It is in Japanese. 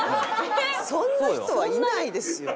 そんな人はいないですよ。